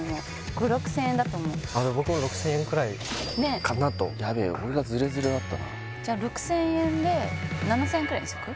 ５０００６０００円だと思う僕も６０００円くらいかなとヤベえ俺がズレズレだったなじゃ６０００円で７０００円ぐらいにしとく？